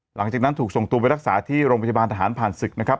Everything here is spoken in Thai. หลังจากนั้นถูกส่งตัวไปรักษาที่โรงพยาบาลทหารผ่านศึกนะครับ